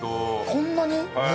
こんなに？